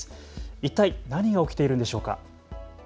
いったい何が起きているんでしょうか。